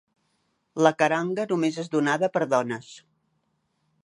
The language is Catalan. La karanga només és donada per dones.